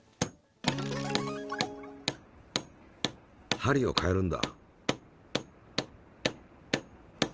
針をかえるんだ。